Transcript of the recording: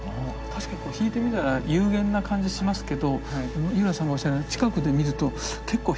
確かに引いてみたら幽玄な感じしますけど井浦さんがおっしゃるように近くで見ると結構筆致が激しい。